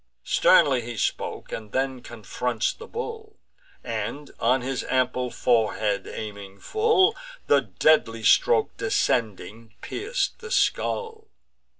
Sternly he spoke, and then confronts the bull; And, on his ample forehead aiming full, The deadly stroke, descending, pierc'd the skull.